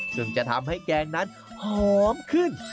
ซึ่งจะทำให้แกงนั้นหอมขึ้น